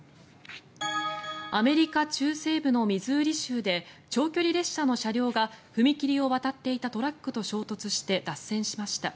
アメリカ中西部のミズーリ州で長距離列車の車両が踏切を渡っていたトラックと衝突して脱線しました。